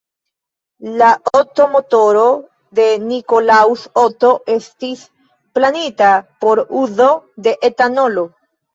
La Otto-motoro de Nikolaus Otto estis planita por uzo de etanolo.